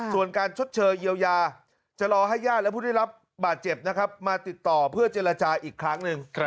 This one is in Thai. ส่วนการชดเชยเยียวยาจะรอให้ญาติและผู้ได้รับบาดเจ็บนะครับมาติดต่อเพื่อเจรจาอีกครั้งหนึ่ง